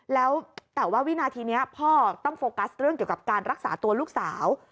แล้วแต่ว่าวินาทีนี้พ่อต้องโฟกัสเรื่องเกี่ยวกับการรักษาตัวลูกสาว